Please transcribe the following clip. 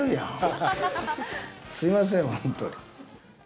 すいません本当に。